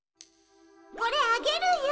これあげるよ。